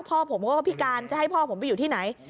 พ่อผมก็พิการจะให้พ่อผมไปอยู่ที่ไหน